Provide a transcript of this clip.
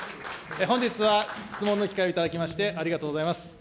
本日は質問の機会を頂きましてありがとうございます。